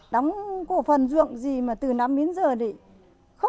đóng cổ phần ruộng gì mà từ năm đến giờ